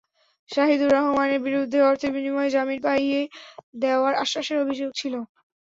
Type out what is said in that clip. শাহিদুর রহমানের বিরুদ্ধে অর্থের বিনিময়ে জামিন পাইয়ে দেওয়ার আশ্বাসের অভিযোগ ছিল।